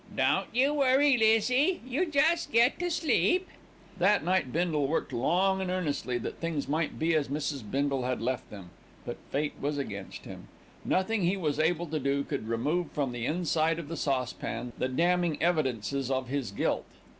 "Don't you worry, Lizzie. You just get to sleep." That night Bindle worked long and earnestly that things might be as Mrs. Bindle had left them; but fate was against him. Nothing he was able to do could remove from the inside of the saucepan the damning evidences of his guilt.